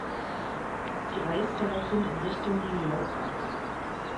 Sie reist daraufhin in Richtung New York ab.